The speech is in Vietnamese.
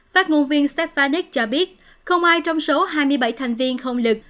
phát ngôn viên stefanic cho biết không ai trong số hai mươi bảy thành viên không lực